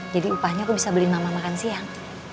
jadi upahnya aku bisa beliin mama makan siang